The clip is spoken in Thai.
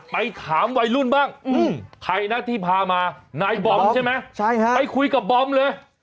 ไปถามวัยรุ่นบ้างใครนะที่พามานายบอมใช่ไหมไปคุยกับบอมเลย